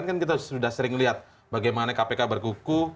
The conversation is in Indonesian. kan kita sudah sering lihat bagaimana kpk berkuku